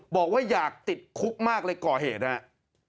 บอกว่าอยากติดคุกมากเลยก่อเหตุนะครับ